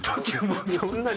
そんなに？